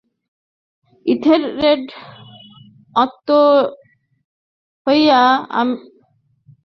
Ethelred আতঙ্কিত হইয়া, এই অশ্রুতপূর্ব আর্তনাদ শুনিয়া দুই হাতে আপন কান চাপিয়া ধরিল।